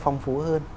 phong phú hơn